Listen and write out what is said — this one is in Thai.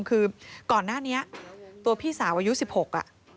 คือก่อนหน้านี้ตัวพี่สาวอายุ๑๖อ่ะ